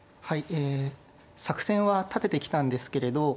え作戦は立ててきたんですけれど